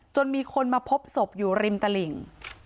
จนมีคนมาพบศพอยู่ริมตลิ่ง